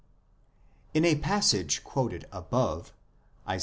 1 (c) In a passage quoted above (Isa.